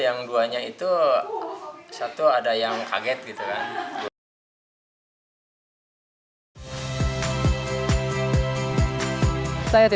yang duanya itu satu ada yang kaget gitu kan